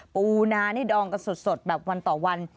ปูนานี่ดองกันสดแบบวันต่อวัน